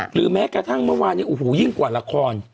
หรือแม้กระทั่งเมื่อวานเนี่ยโอ้โหยิ่งกว่าละคร